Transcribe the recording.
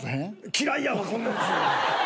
嫌いやわこんなやつ。